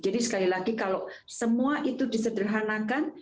jadi sekali lagi kalau semua itu disederhanakan